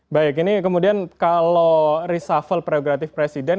baik ini kemudian kalau reshuffle prerogatif presiden